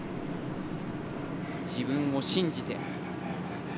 自分を信じて。